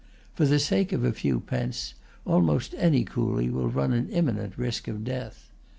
For the sake of a few pence, almost any coolie will run an imminent risk of death.